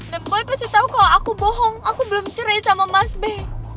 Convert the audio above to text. dan boy pasti tau kalo aku bohong aku belum cerai sama mas be